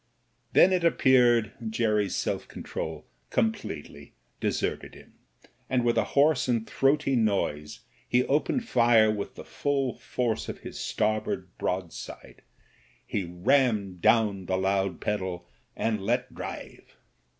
Then, it appeared, Jerry's self control completely deserted him, and with a hoarse and throaty noise he opened fire with the full force of his starboard broad side ; he rammed down the loud pedal and let drive.